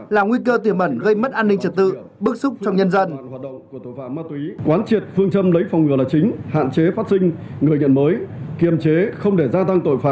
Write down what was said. làm nguy cơ tiềm ẩn gây mất an ninh trật tự bức xúc trong nhân dân